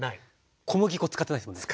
小麦粉使ってないですもんね。